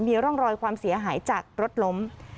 มีร่องรอยความเสียหายจากรถล้ม